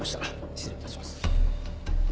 失礼いたします。